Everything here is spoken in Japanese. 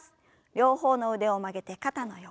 両方の腕を曲げて肩の横。